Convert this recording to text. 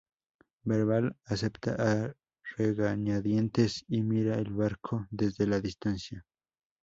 Verbal acepta a regañadientes, y mira el barco desde la distancia.